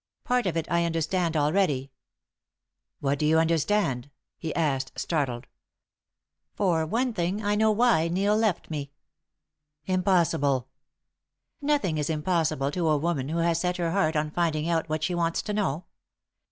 Part of it I understand already." "What do you understand?" he asked, startled. "For one thing I know now why Neil left me." "Impossible!" "Nothing is impossible to a woman who has set her heart on finding out what she wants to know.